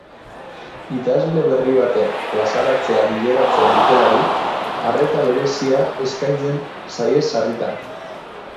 Idazle berri baten plazaratzea bideratzen dutelarik, arreta berezia eskaintzen zaie sarritan.